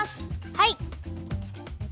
はい！